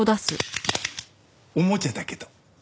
おもちゃだけど。